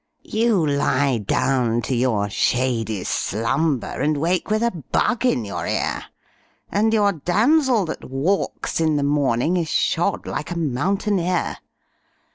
You lie down to your shady slumber And wake with a bug in your ear, And your damsel that walks in the morning Is shod like a mountaineer.